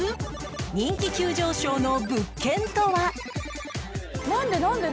人気急上昇の物件とは？